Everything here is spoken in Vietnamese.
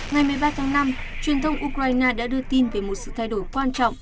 ngày một mươi ba tháng năm truyền thông ukraine đã đưa tin về một sự thay đổi quan trọng